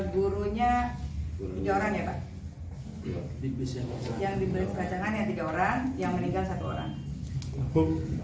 gurunya tiga orang ya pak yang di belize kacangan ya tiga orang yang meninggal satu orang